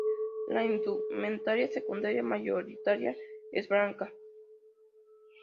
La indumentaria secundaria mayoritariamente es blanca.